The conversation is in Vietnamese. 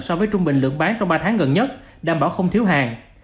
so với trung bình lượng bán trong ba tháng gần nhất đảm bảo không thiếu hàng